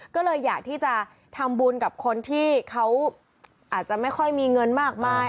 ก็เลยอยากที่จะทำบุญกับคนที่เขาอาจจะไม่ค่อยมีเงินมากมาย